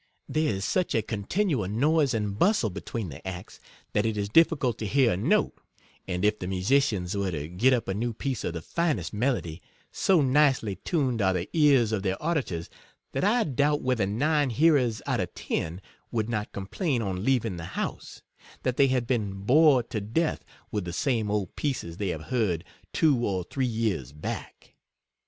There is such a continual noise and bustle between the acts, that it is difficult to hear a note ; and if the musicians were to get up a new piece of the finest me lody, so nicely tuned are the ears of their au ditors, that I doubt whether nine hearers out of ten would not complain on leaving the house, that they had been bored to death with the same old pieces they have heard two or 37 three years back.